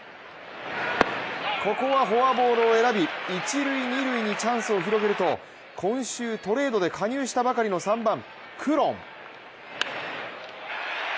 ここはフォアボールを選び一・二塁にチャンスを広げると今週トレードで加入したばかりの３番・クロン。